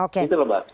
gitu lho pak